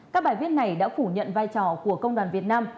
các bài viết này đã phủ nhận vai trò của công đoàn việt nam